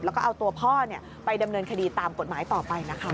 แล้วก็เอาตัวพ่อไปดำเนินคดีตามกฎหมายต่อไปนะคะ